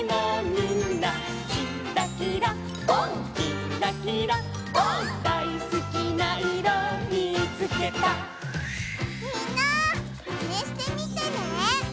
みんなまねしてみてね！